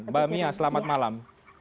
mbak mia selamat malam